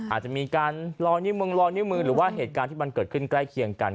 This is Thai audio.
อาจจะมีการลอนิมึงรอเหตุการณ์เกิดใกล้เคียงกัน